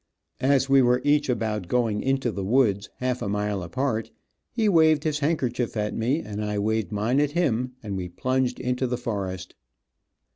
As we were each about going into the woods, half a mile apart, he waved his handkerchief at me, and I waved mine at him, and we plunged into the forest.